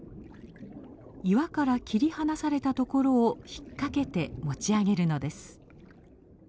岩から切り離されたところを引っ掛けて持ち上げるのです。